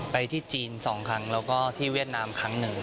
ไปที่จีน๒ครั้งแล้วก็ที่เวียดนามครั้งหนึ่ง